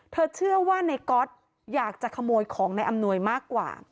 เชื่อว่าในก๊อตอยากจะขโมยของในอำนวยมากกว่า